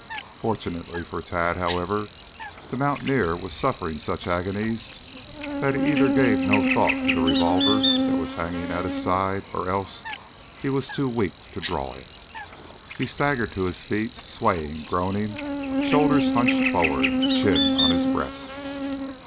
Fortunately for Tad, however, the mountaineer was suffering such agonies that he either gave no thought to the revolver that was hanging at his side, or else he was too weak to draw it. He staggered to his feet, swaying, groaning, shoulders hunched forward, chin on his breast.